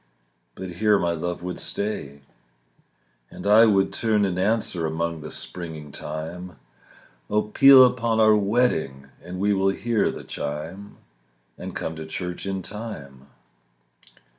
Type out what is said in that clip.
But here my love would stay. And I would turn and answer Among the springing thyme, "Oh, peal upon our wedding, And we will hear the chime, And come to church in time."